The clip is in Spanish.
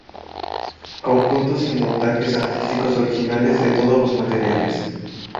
Conjuntos y montajes artísticos originales, de todos los materiales.